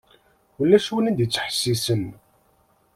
Ulac win i d-yettḥessisen.